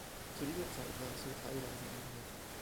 Zu dieser Zeit war es nur teilweise armiert.